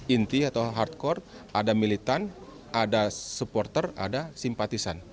inti atau hardcore ada militan ada supporter ada simpatisan